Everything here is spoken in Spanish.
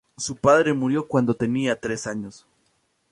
Su padre murió cuando tenía tres años.